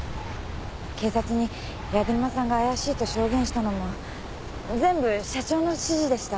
警察に柳沼さんが怪しいと証言したのも全部社長の指示でした。